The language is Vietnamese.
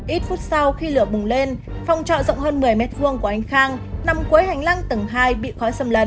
ít phút sau khi lửa bùng lên phòng trọ rộng hơn một mươi m hai của anh khang nằm cuối hành lang tầng hai bị khói xâm lấn